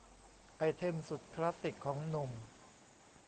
ไอเทมสุดคลาสสิกของหนุ่ม